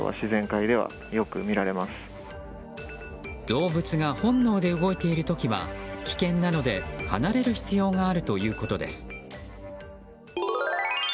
動物が本能で動いている時は危険なので離れる必要があるということです。